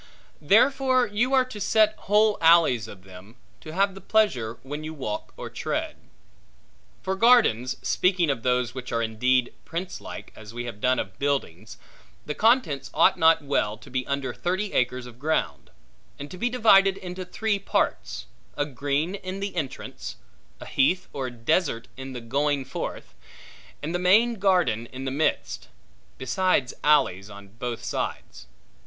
Therefore you are to set whole alleys of them, to have the pleasure when you walk or tread. For gardens (speaking of those which are indeed princelike, as we have done of buildings), the contents ought not well to be under thirty acres of ground; and to be divided into three parts; a green in the entrance; a heath or desert in the going forth; and the main garden in the midst; besides alleys on both sides.